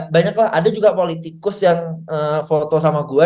banyak lah ada juga politikus yang foto sama gue